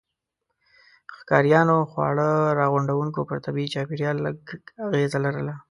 ښکاریانو او خواړه راغونډوونکو پر طبيعي چاپیریال لږ اغېزه لرله.